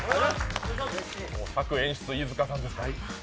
策演出、飯塚さんですから。